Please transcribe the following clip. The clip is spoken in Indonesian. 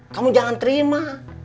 kamu jangan terima